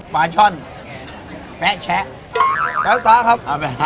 ฟาชั่นแป๊ะแช๊แป๊บปลาครับ